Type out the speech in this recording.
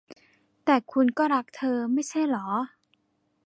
แต่คุณก็รักเธอ ไม่ใช่เหรอ ?